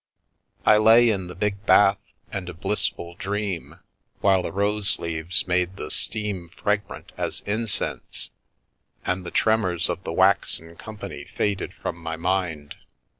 I lay in the big bath and a blissful dream, while the rose leaves made the steam fragrant as incense, and the terrors of the waxen company faded from my mind.